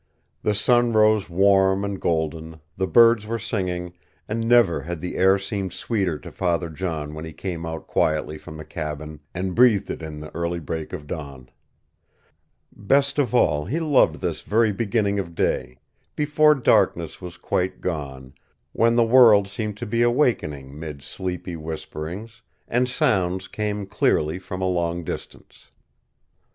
The sun rose warm and golden, the birds were singing, and never had the air seemed sweeter to Father John when he came out quietly from the cabin and breathed it in the early break of dawn. Best of all he loved this very beginning of day, before darkness was quite gone, when the world seemed to be awakening mid sleepy whisperings and sounds came clearly from a long distance.